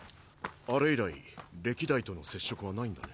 あれ以来歴代との接触はないんだね？